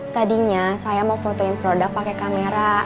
tadinya saya mau fotoin produk pakai kamera